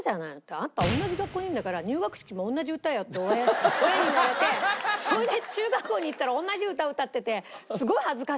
あんた同じ学校にいるんだから入学式も同じ歌よって親に言われてそれで中学校に行ったら同じ歌歌ってて。